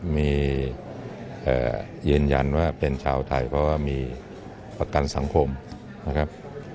มียืนยันว่าเป็นชาวไทยเพราะว่ามีประกันสังคมนะครับ